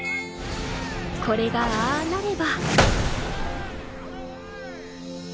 これがああなレバ。